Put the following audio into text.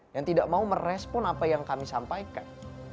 yang tidak mau merespon apa yang kami sampaikan